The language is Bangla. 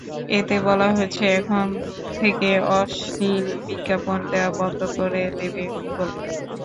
এতে বলা হচ্ছে, এখন থেকে অশ্লীল বিজ্ঞাপন দেওয়া বন্ধ করে দেবে গুগল।